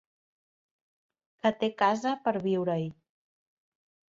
Que té casa per viure-hi.